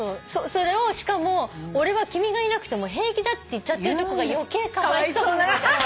それをしかも「俺は君がいなくても平気だ」って言っちゃってるとこが余計かわいそうになっちゃって。